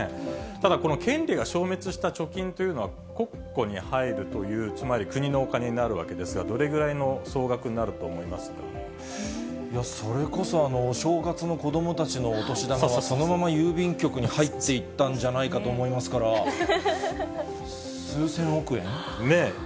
ただ、この権利が消滅した貯金というのは、国庫に入るという、つまり国のお金になるわけですが、どれぐらいの総額になると思いまそれこそ、正月の子どもたちのお年玉が、そのまま郵便局に入っていったんじゃないかと思いますから、ねぇ。